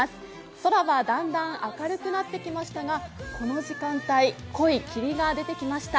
空はだんだん明るくなってきましたが、この時間帯濃い霧が出てきました。